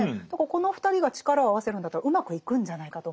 この２人が力を合わせるんだったらうまくいくんじゃないかと思うんですが。